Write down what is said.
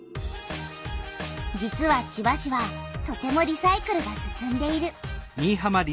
実は千葉市はとてもリサイクルが進んでいる。